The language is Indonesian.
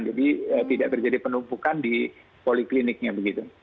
jadi tidak terjadi penumpukan di polikliniknya begitu